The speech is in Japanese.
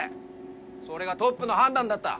それがトップの判断だった。